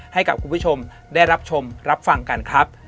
ให้กับคุณผู้ชมได้รับชมรับฟังกันครับ